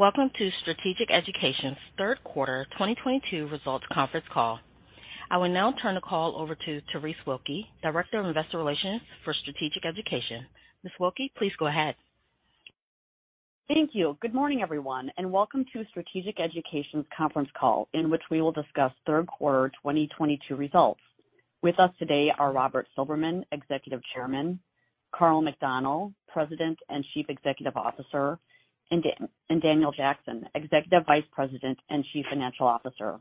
Welcome to Strategic Education's Third Quarter 2022 Results Conference Call. I will now turn the call over to Terese Wilke, Director of Investor Relations for Strategic Education. Ms. Wilke, please go ahead. Thank you. Good morning, everyone, and welcome to Strategic Education's conference call, in which we will discuss third quarter 2022 results. With us today are Robert Silberman, Executive Chairman, Karl McDonnell, President and Chief Executive Officer, and Daniel Jackson, Executive Vice President and Chief Financial Officer.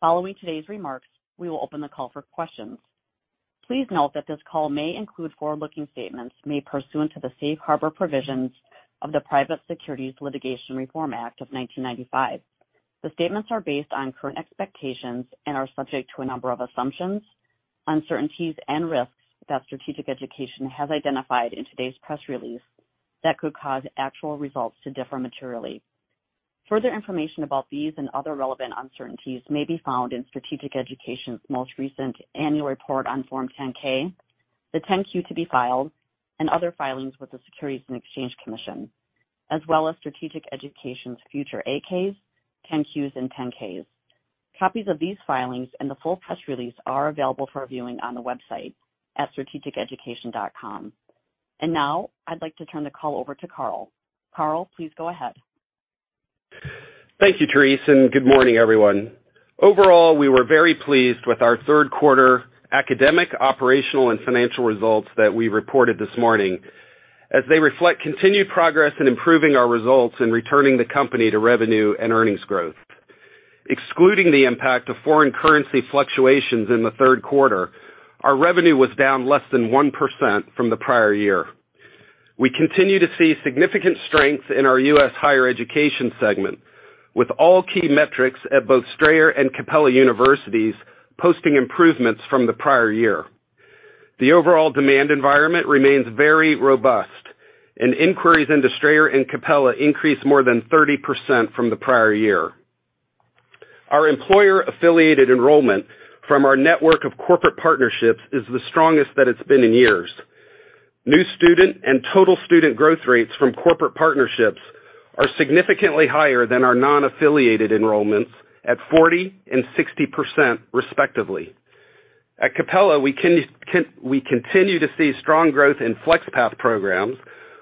Following today's remarks, we will open the call for questions. Please note that this call may include forward-looking statements made pursuant to the safe harbor provisions of the Private Securities Litigation Reform Act of 1995. The statements are based on current expectations and are subject to a number of assumptions, uncertainties, and risks that Strategic Education has identified in today's press release that could cause actual results to differ materially. Further information about these and other relevant uncertainties may be found in Strategic Education's most recent annual report on Form 10-K, the 10-Q to be filed, and other filings with the Securities and Exchange Commission, as well as Strategic Education's future 8-Ks, 10-Qs, and 10-Ks. Copies of these filings and the full press release are available for viewing on the website at strategiceducation.com. Now I'd like to turn the call over to Karl. Karl, please go ahead. Thank you, Terese, and good morning, everyone. Overall, we were very pleased with our third quarter academic, operational, and financial results that we reported this morning, as they reflect continued progress in improving our results and returning the company to revenue and earnings growth. Excluding the impact of foreign currency fluctuations in the third quarter, our revenue was down less than 1% from the prior year. We continue to see significant strength in our U.S. higher education segment, with all key metrics at both Strayer and Capella Universities posting improvements from the prior year. The overall demand environment remains very robust and inquiries into Strayer and Capella increased more than 30% from the prior year. Our employer-affiliated enrollment from our network of corporate partnerships is the strongest that it's been in years. New student and total student growth rates from corporate partnerships are significantly higher than our non-affiliated enrollments at 40% and 60% respectively. At Capella, we continue to see strong growth in FlexPath programs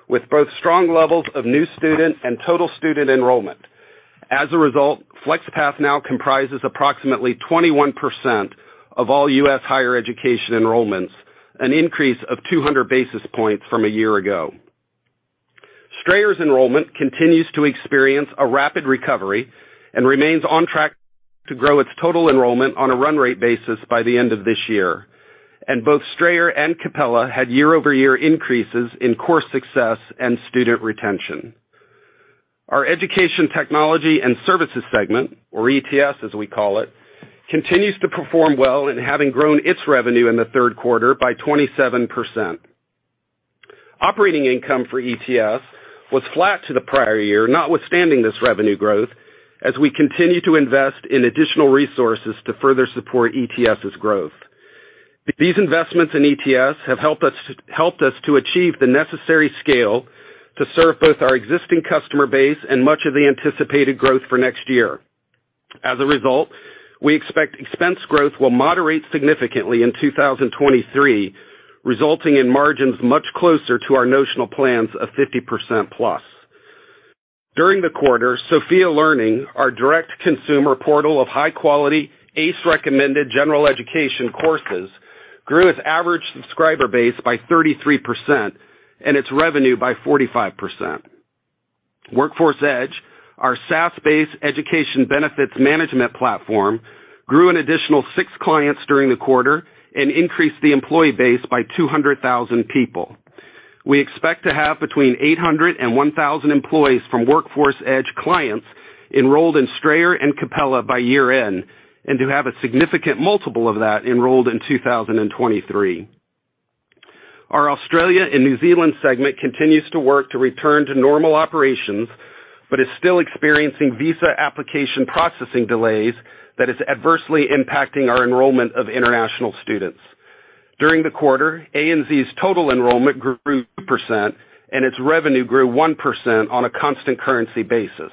with both strong levels of new student and total student enrollment. As a result, FlexPath now comprises approximately 21% of all U.S. higher education enrollments, an increase of 200 basis points from a year ago. Strayer's enrollment continues to experience a rapid recovery and remains on track to grow its total enrollment on a run rate basis by the end of this year. Both Strayer and Capella had year-over-year increases in course success and student retention. Our education technology and services segment, or ETS as we call it, continues to perform well in having grown its revenue in the third quarter by 27%. Operating income for ETS was flat to the prior year, notwithstanding this revenue growth, as we continue to invest in additional resources to further support ETS's growth. These investments in ETS have helped us to achieve the necessary scale to serve both our existing customer base and much of the anticipated growth for next year. As a result, we expect expense growth will moderate significantly in 2023, resulting in margins much closer to our notional plans of 50%+. During the quarter, Sophia Learning, our direct consumer portal of high-quality, ACE-recommended general education courses, grew its average subscriber base by 33% and its revenue by 45%. Workforce Edge, our SaaS-based education benefits management platform, grew an additional six clients during the quarter and increased the employee base by 200,000 people. We expect to have between 800 and 1,000 employees from Workforce Edge clients enrolled in Strayer and Capella by year-end, and to have a significant multiple of that enrolled in 2023. Our Australia and New Zealand segment continues to work to return to normal operations, but is still experiencing visa application processing delays that is adversely impacting our enrollment of international students. During the quarter, ANZ's total enrollment grew 2% and its revenue grew 1% on a constant currency basis.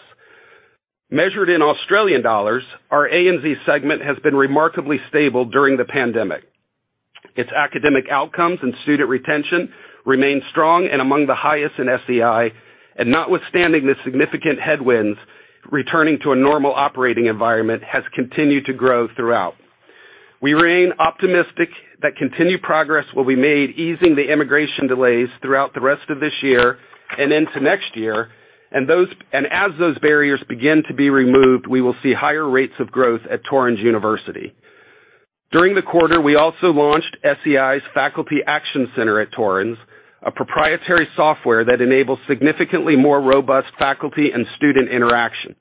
Measured in Australian dollars, our ANZ segment has been remarkably stable during the pandemic. Its academic outcomes and student retention remain strong and among the highest in SEI. Notwithstanding the significant headwinds, returning to a normal operating environment has continued to grow throughout. We remain optimistic that continued progress will be made easing the immigration delays throughout the rest of this year and into next year. As those barriers begin to be removed, we will see higher rates of growth at Torrens University. During the quarter, we also launched SEI's Faculty Action Center at Torrens, a proprietary software that enables significantly more robust faculty and student interaction.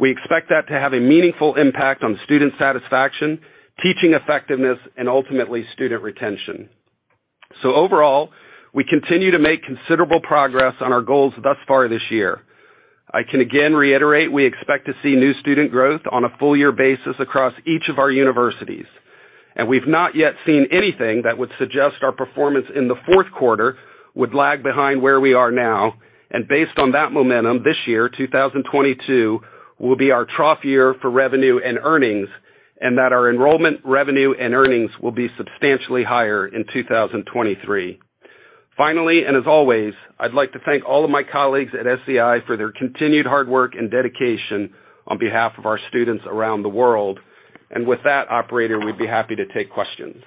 We expect that to have a meaningful impact on student satisfaction, teaching effectiveness, and ultimately student retention. Overall, we continue to make considerable progress on our goals thus far this year. I can again reiterate, we expect to see new student growth on a full year basis across each of our universities. We've not yet seen anything that would suggest our performance in the fourth quarter would lag behind where we are now. Based on that momentum this year, 2022 will be our trough year for revenue and earnings, and that our enrollment revenue and earnings will be substantially higher in 2023. Finally, and as always, I'd like to thank all of my colleagues at SEI for their continued hard work and dedication on behalf of our students around the world. With that operator, we'd be happy to take questions.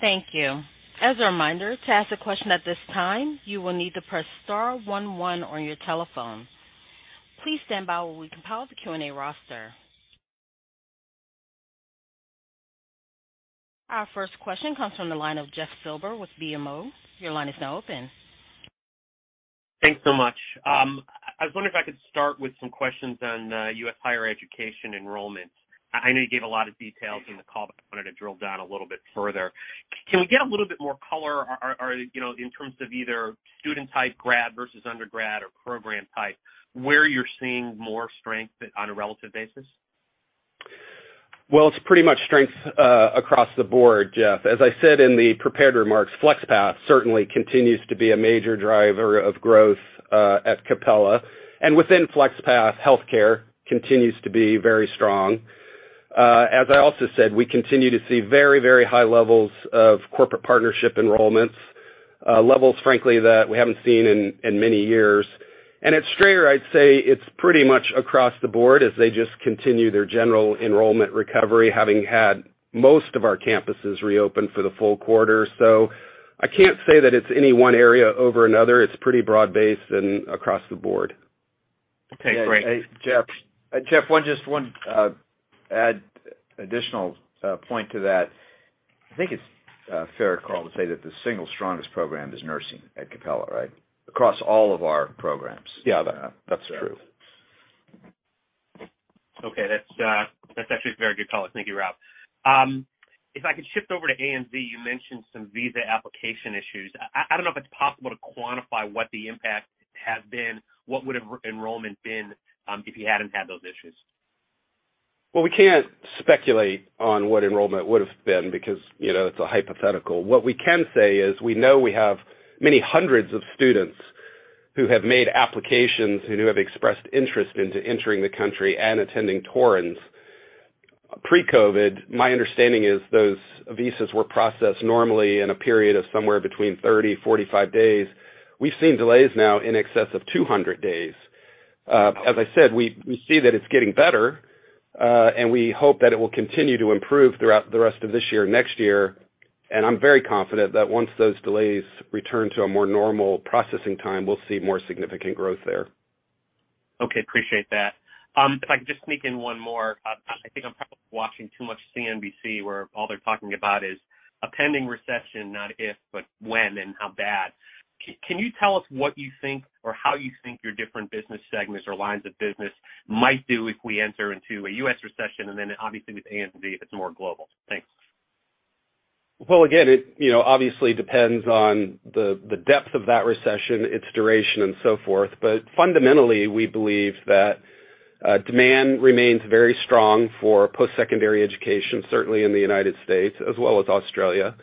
Thank you. As a reminder, to ask a question at this time, you will need to press star one one on your telephone. Please stand by while we compile the Q&A roster. Our first question comes from the line of Jeff Silber with BMO. Your line is now open. Thanks so much. I was wondering if I could start with some questions on U.S. higher education enrollment. I know you gave a lot of details in the call, but I wanted to drill down a little bit further. Can we get a little bit more color or, you know, in terms of either student type grad versus undergrad or program type, where you're seeing more strength at, on a relative basis? Well, it's pretty much strength across the board, Jeff. As I said in the prepared remarks, FlexPath certainly continues to be a major driver of growth at Capella. Within FlexPath, healthcare continues to be very strong. As I also said, we continue to see very, very high levels of corporate partnership enrollments, levels, frankly, that we haven't seen in many years. At Strayer, I'd say it's pretty much across the board as they just continue their general enrollment recovery, having had most of our campuses reopen for the full quarter. I can't say that it's any one area over another. It's pretty broad-based and across the board. Okay, great. Hey, Jeff. Jeff, one additional point to that. I think it's fair, Karl, to say that the single strongest program is nursing at Capella, right? Across all of our programs. Yeah, that's true. Okay. That's actually a very good call. Thank you, Rob. If I could shift over to ANZ, you mentioned some visa application issues. I don't know if it's possible to quantify what the impact has been, what would enrollment been, if you hadn't had those issues. Well, we can't speculate on what enrollment would have been because, you know, it's a hypothetical. What we can say is we know we have many hundreds of students who have made applications and who have expressed interest into entering the country and attending Torrens. Pre-COVID, my understanding is those visas were processed normally in a period of somewhere between 30, 45 days. We've seen delays now in excess of 200 days. As I said, we see that it's getting better, and we hope that it will continue to improve throughout the rest of this year, next year. I'm very confident that once those delays return to a more normal processing time, we'll see more significant growth there. Okay. Appreciate that. If I could just sneak in one more. I think I'm probably watching too much CNBC, where all they're talking about is a pending recession, not if, but when and how bad. Can you tell us what you think or how you think your different business segments or lines of business might do if we enter into a U.S. recession? Obviously with ANZ, it's more global. Thanks. Well, again, it you know obviously depends on the depth of that recession, its duration and so forth. Fundamentally, we believe that demand remains very strong for post-secondary education, certainly in the United States as well as Australia.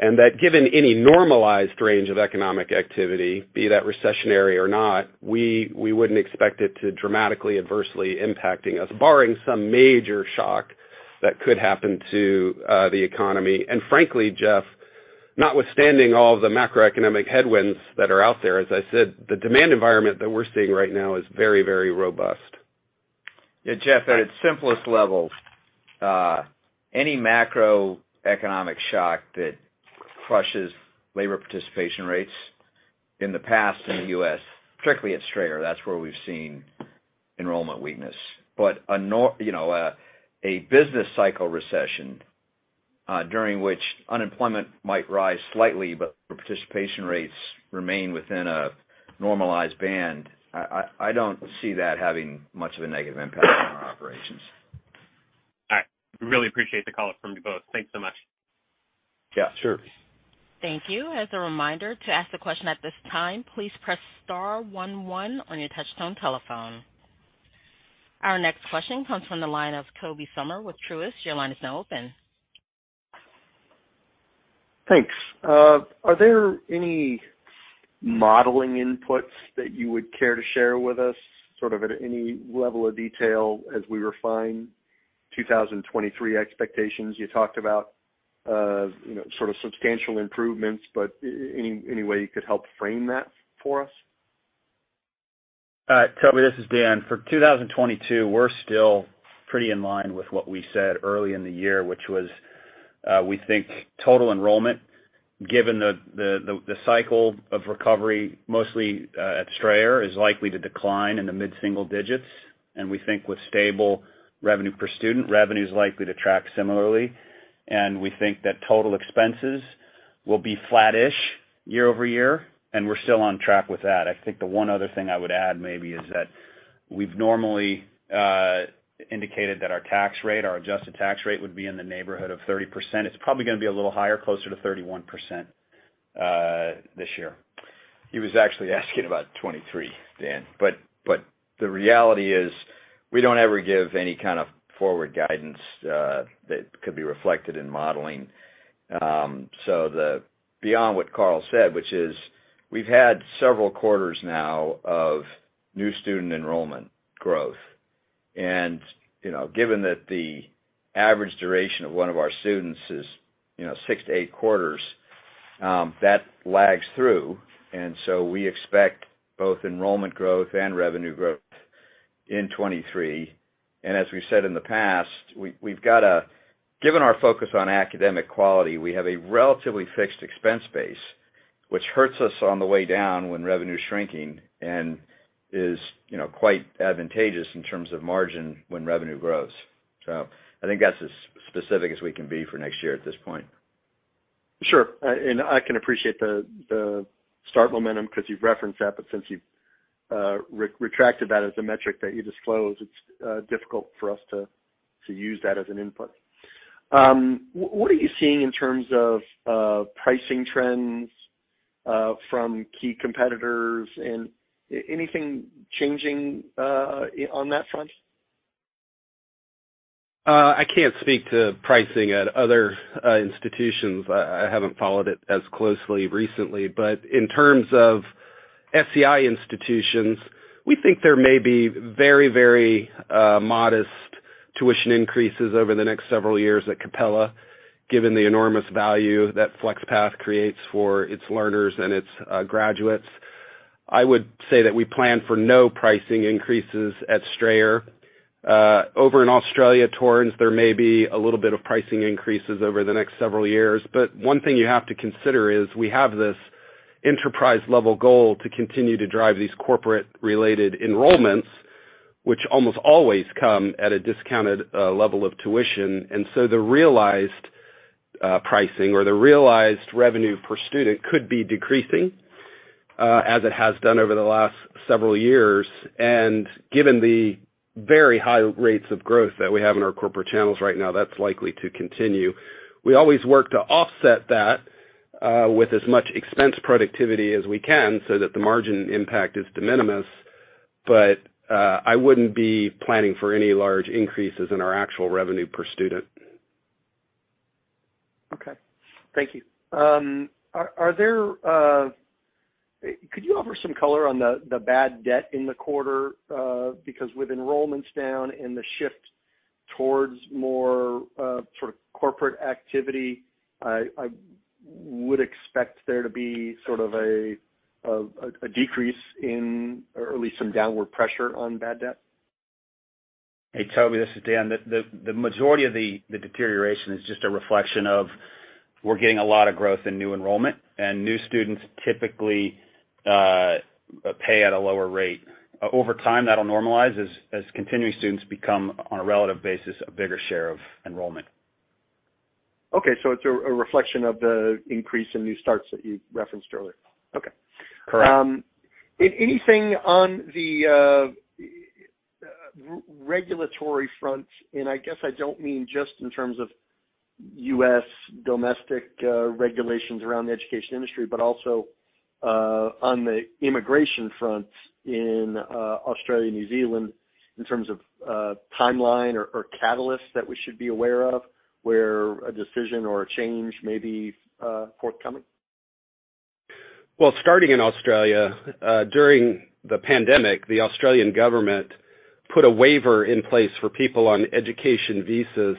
That given any normalized range of economic activity, be that recessionary or not, we wouldn't expect it to dramatically adversely impacting us, barring some major shock that could happen to the economy. Frankly, Jeff, notwithstanding all the macroeconomic headwinds that are out there, as I said, the demand environment that we're seeing right now is very, very robust. Yeah, Jeff, at its simplest levels, any macroeconomic shock that crushes labor participation rates in the past in the U.S., strictly at Strayer, that's where we've seen enrollment weakness. You know, a business cycle recession during which unemployment might rise slightly, but participation rates remain within a normalized band, I don't see that having much of a negative impact on our operations. All right. Really appreciate the call from you both. Thanks so much. Yeah, sure. Thank you. As a reminder, to ask the question at this time, please press star one one on your touch tone telephone. Our next question comes from the line of Tobey Sommer with Truist. Your line is now open. Thanks. Are there any modeling inputs that you would care to share with us, sort of at any level of detail as we refine 2023 expectations? You talked about, you know, sort of substantial improvements, but any way you could help frame that for us? Tobey, this is Dan. For 2022, we're still pretty in line with what we said early in the year, which was, we think total enrollment, given the cycle of recovery mostly, at Strayer, is likely to decline in the mid-single digits. We think with stable revenue per student, revenue is likely to track similarly. We think that total expenses will be flattish year-over-year, and we're still on track with that. I think the one other thing I would add maybe is that we've normally indicated that our tax rate, our adjusted tax rate would be in the neighborhood of 30%. It's probably gonna be a little higher, closer to 31%, this year. He was actually asking about 2023, Dan. The reality is we don't ever give any kind of forward guidance that could be reflected in modeling. Beyond what Karl said, which is we've had several quarters now of new student enrollment growth. You know, given that the average duration of one of our students is, you know, six to eight quarters, that lags through. We expect both enrollment growth and revenue growth in 2023. As we said in the past, given our focus on academic quality, we have a relatively fixed expense base, which hurts us on the way down when revenue is shrinking and is, you know, quite advantageous in terms of margin when revenue grows. I think that's as specific as we can be for next year at this point. Sure. I can appreciate the start momentum because you've referenced that. But since you've retracted that as a metric that you disclosed, it's difficult for us to use that as an input. What are you seeing in terms of pricing trends from key competitors? Anything changing on that front? I can't speak to pricing at other institutions. I haven't followed it as closely recently. In terms of SEI institutions, we think there may be very very modest tuition increases over the next several years at Capella, given the enormous value that FlexPath creates for its learners and its graduates. I would say that we plan for no pricing increases at Strayer. Over in Australia, Torrens, there may be a little bit of pricing increases over the next several years. One thing you have to consider is we have this enterprise level goal to continue to drive these corporate related enrollments, which almost always come at a discounted level of tuition. The realized pricing or the realized revenue per student could be decreasing, as it has done over the last several years. Given the very high rates of growth that we have in our corporate channels right now, that's likely to continue. We always work to offset that with as much expense productivity as we can so that the margin impact is de minimis. I wouldn't be planning for any large increases in our actual revenue per student. Okay. Thank you. Could you offer some color on the bad debt in the quarter? Because with enrollments down and the shift towards more sort of corporate activity, I would expect there to be sort of a decrease in or at least some downward pressure on bad debt. Hey, Tobey, this is Dan. The majority of the deterioration is just a reflection of we're getting a lot of growth in new enrollment, and new students typically pay at a lower rate. Over time, that'll normalize as continuing students become, on a relative basis, a bigger share of enrollment. Okay. It's a reflection of the increase in new starts that you referenced earlier. Okay. Correct. Anything on the regulatory front, and I guess I don't mean just in terms of U.S. domestic regulations around the education industry, but also on the immigration front in Australia, New Zealand, in terms of timeline or catalysts that we should be aware of, where a decision or a change may be forthcoming? Well, starting in Australia, during the pandemic, the Australian government put a waiver in place for people on education visas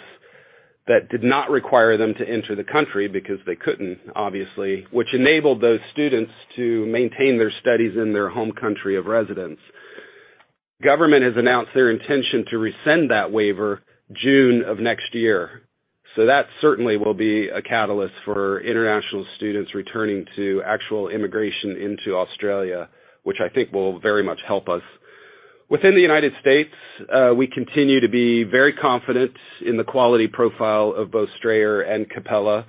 that did not require them to enter the country because they couldn't, obviously, which enabled those students to maintain their studies in their home country of residence. Government has announced their intention to rescind that waiver June of next year. That certainly will be a catalyst for international students returning to actual immigration into Australia, which I think will very much help us. Within the United States, we continue to be very confident in the quality profile of both Strayer and Capella,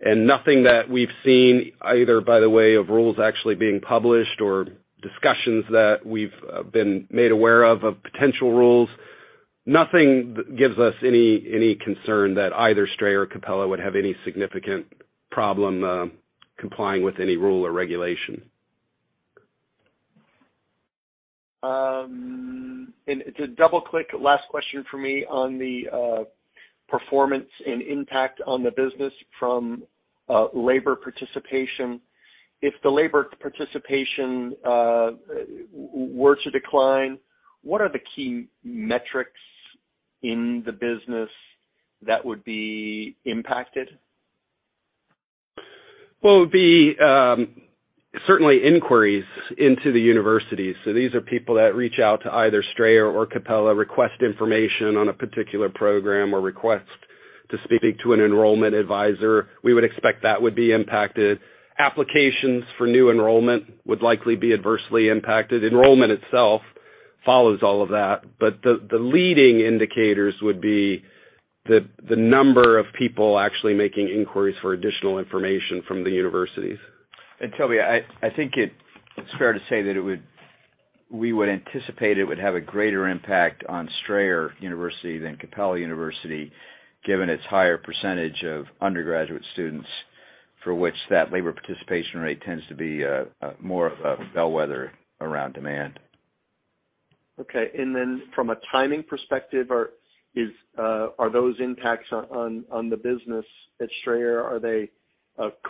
and nothing that we've seen, either by the way of rules actually being published or discussions that we've been made aware of potential rules, nothing gives us any concern that either Strayer or Capella would have any significant problem complying with any rule or regulation. To double-click, last question for me on the performance and impact on the business from labor participation. If the labor participation were to decline, what are the key metrics in the business that would be impacted? It would be certainly inquiries into the university. These are people that reach out to either Strayer or Capella, request information on a particular program or request to speak to an enrollment advisor. We would expect that would be impacted. Applications for new enrollment would likely be adversely impacted. Enrollment itself follows all of that. The leading indicators would be the number of people actually making inquiries for additional information from the universities. Tobey, I think it's fair to say that we would anticipate it would have a greater impact on Strayer University than Capella University, given its higher percentage of undergraduate students for which that labor participation rate tends to be more of a bellwether around demand. From a timing perspective, are those impacts on the business at Strayer, are they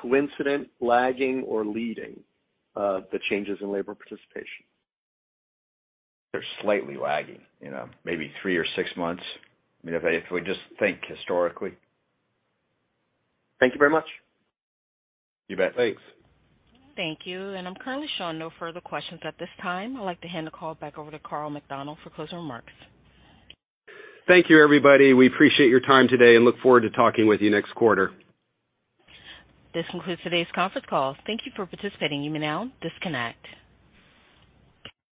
coincident, lagging or leading the changes in labor participation? They're slightly lagging, you know, maybe three or six months, you know, if we just think historically. Thank you very much. You bet. Thanks. Thank you. I'm currently showing no further questions at this time. I'd like to hand the call back over to Karl McDonnell for closing remarks. Thank you, everybody. We appreciate your time today and look forward to talking with you next quarter. This concludes today's conference call. Thank you for participating. You may now disconnect.